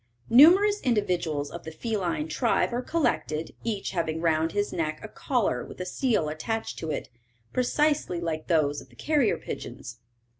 Numerous individuals of the feline tribe are collected, each having round his neck a collar with a seal attached to it, precisely like those of the carrier pigeons.